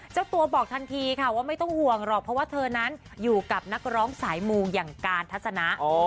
เจ้าตัวบอกทันทีค่ะว่าไม่ต้องห่วงหรอกเพราะว่าเธอนั้นอยู่กับนักร้องสายมูอย่างการทัศนะ